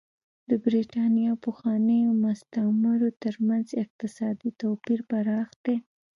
د برېټانیا پخوانیو مستعمرو ترمنځ اقتصادي توپیر پراخ دی.